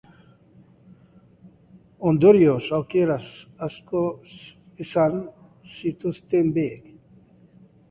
Ondorioz, aukera asko izan zituzten biek.